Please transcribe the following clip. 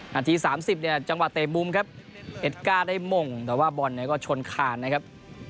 นาที๓๐เนี่ยจังหวะเตะมุมครับเอ็ดก้าได้มงแต่ว่าบอลเนี่ยก็ชนคานนะครับ